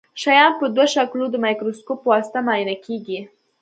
شیان په دوه شکلو د مایکروسکوپ په واسطه معاینه کیږي.